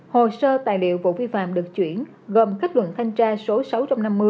hồ sơ tài liệu vụ vi phạm được chuyển gồm kết luận thanh tra số sáu trăm năm mươi